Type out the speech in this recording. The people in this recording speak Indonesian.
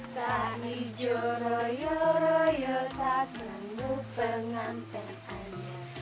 tak mijo royo royo tak senangu pengantin hanya